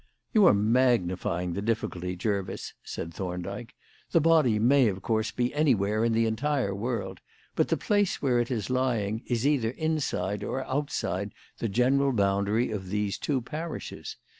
"You are magnifying the difficulty, Jervis," said Thorndyke. "The body may, of course, be anywhere in the entire world, but the place where it is lying is either inside or outside the general boundary of these two parishes.